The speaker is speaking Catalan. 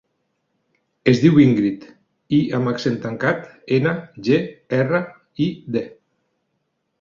Es diu Íngrid: i amb accent tancat, ena, ge, erra, i, de.